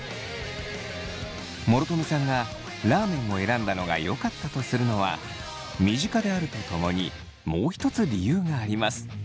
諸富さんがラーメンを選んだのがよかったとするのは身近であるとともにもう一つ理由があります。